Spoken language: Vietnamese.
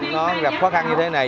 nó gặp khó khăn như thế này